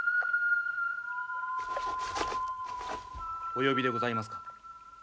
お呼びでございますか？